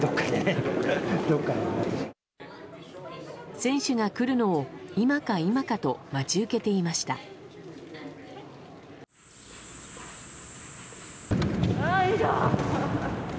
選手が来るのを今か今かと待ち受けていました。